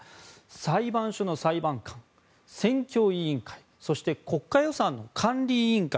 裁判所の裁判官選挙委員会そして国家予算の管理委員会